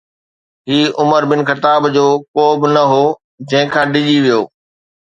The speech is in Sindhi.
هي عمر بن خطاب جو ڪوب نه هو جنهن کان ڊڄي ويو.